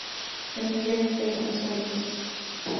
Semillas elipsoides.